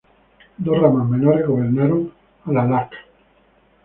Dos ramas menores gobernaron Alalakh.